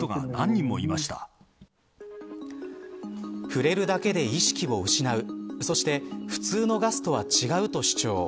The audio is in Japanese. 触れるだけで意識を失うそして普通のガスとは違うと主張。